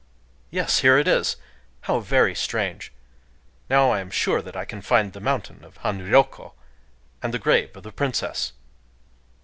Yes!—here it is!... How very strange! Now I am sure that I can find the mountain of Hanryōkō, and the grave of the princess."...